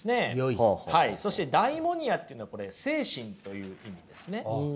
そして「ダイモニア」っていうのはこれ精神という意味ですね。